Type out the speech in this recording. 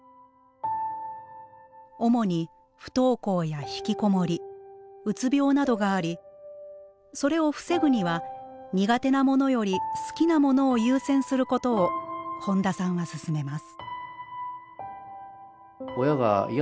主に不登校やひきこもりうつ病などがありそれを防ぐには苦手なものより好きなものを優先することを本田さんは勧めます。